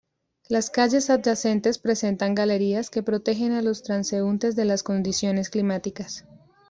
Las calles adyacentes presentan galerías que protegen a los transeúntes de las condiciones climáticas.